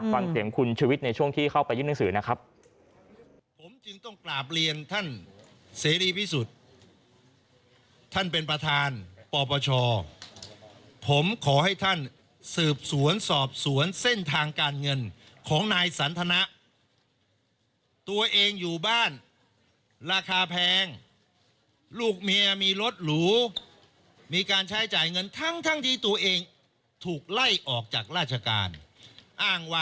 ฟังเสียงคุณชวิตในช่วงที่เข้าไปยื่นหนังสือนะครับ